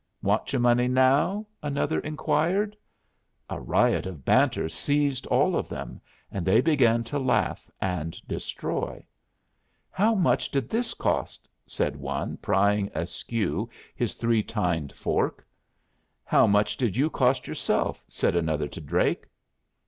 "Want your money now?" another inquired. A riot of banter seized upon all of them, and they began to laugh and destroy. "How much did this cost?" said one, prying askew his three tined fork. "How much did you cost yourself?" said another to Drake.